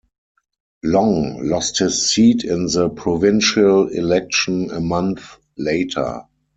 Long lost his seat in the provincial election a month later.